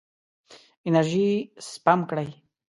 انرژي سپم کړئ.